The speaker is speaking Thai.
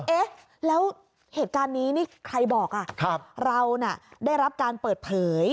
เแล้วเหตุการณ์นี้ใครบอกเราได้รับการเปิดเผย